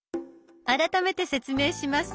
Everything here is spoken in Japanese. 改めて説明します。